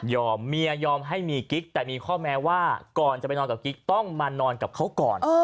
เมียยอมให้มีกิ๊กแต่มีข้อแม้ว่าก่อนจะไปนอนกับกิ๊กต้องมานอนกับเขาก่อน